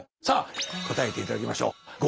さあ答えて頂きましょう。